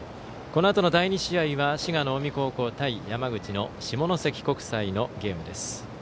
このあとの第２試合は滋賀の近江高校対山口の下関国際のゲームです。